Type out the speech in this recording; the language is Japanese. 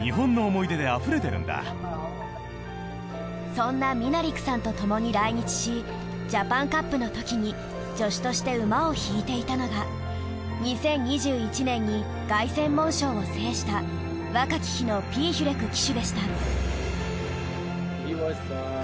そんなミナリクさんとともに来日しジャパンカップのときに助手として馬を引いていたのが２０２１年に凱旋門賞を制した若き日のピーヒュレク騎手でした。